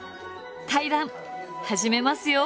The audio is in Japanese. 対談始めますよ。